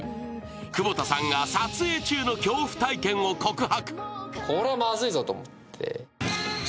窪田さんが撮影中の恐怖体験を告白。